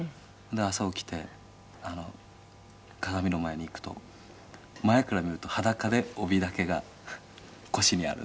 朝起きて、鏡の前に行くと前から見ると裸で帯だけが腰にある。